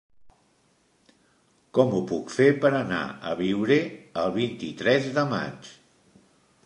Com ho puc fer per anar a Biure el vint-i-tres de maig?